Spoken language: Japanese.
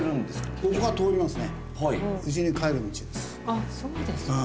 あっそうですか。